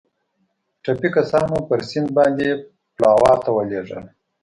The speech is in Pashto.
ټپي کسان مو پر سیند باندې پلاوا ته ولېږدول.